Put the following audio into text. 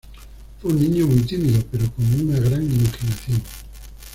Fue un niño muy tímido, pero con una gran imaginación.